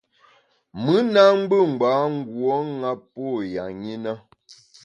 Mùn na ngbù ngbâ nguo ṅa pô ya ṅi na.